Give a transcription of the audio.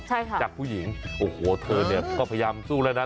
ใช่ค่ะจากผู้หญิงโอ้โหเธอเนี่ยก็พยายามสู้แล้วนะ